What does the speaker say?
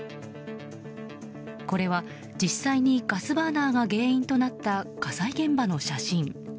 これは実際にガスバーナーが原因となった火災現場の写真。